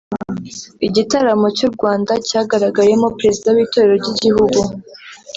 Igitaramo cy’ u Rwanda cyagaragayemo Perezida w’Itorero ry’Igihugu